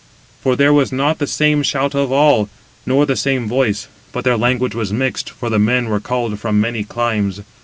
For there was not the same shout of all, nor the same voice, but their language was mixed, for the men were called from many climes.